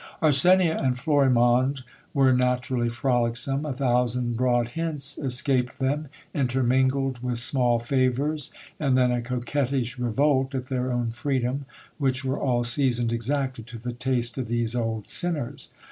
Arsenia and Florimonde were naturally frolicsome. A thousand broad hints escaped them, intermingled with small favours, and then a coquettish revolt at their own freedom, which were all seasoned exactly to the taste of these old sinners.